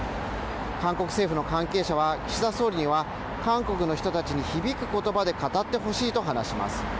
韓国政府の関係者は岸田総理には、韓国の人たちに響く言葉で語ってほしいと話します。